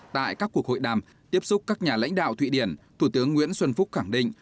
tại các cuộc hội đàm tiếp xúc các nhà lãnh đạo thụy điển thủ tướng nguyễn xuân phúc khẳng định